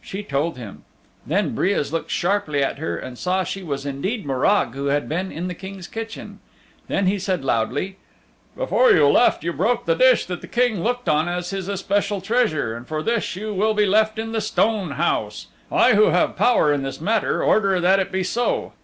She told him. Then Breas looked sharply at her and saw she was indeed Morag who had been in the King's kitchen. Then he said loudly, "Before you left you broke the dish that the King looked on as his especial treasure, and for this, you will be left in the Stone House. I who have power in this matter order that it be so."